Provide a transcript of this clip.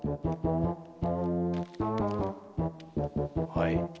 はい。